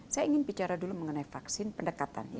saya ingin bicara dulu mengenai vaksin pendekatannya